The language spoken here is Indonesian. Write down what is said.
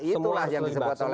itulah yang disebut oleh prof tadi